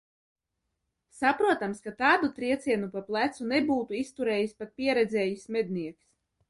Saprotams, ka tādu triecienu pa plecu nebūtu izturējis pat pieredzējis mednieks.